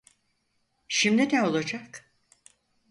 Şimdi ne olacak?